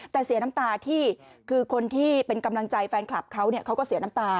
แต่เสียน้ำตาที่คือคนที่เป็นกำลังใจแฟนคลับเขาเนี่ยเขาก็เสียน้ำตา